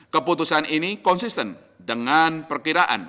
keputusan ini konsisten dengan perkiraan